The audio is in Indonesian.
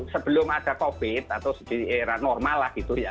sebelum ada covid atau di era normal lah gitu ya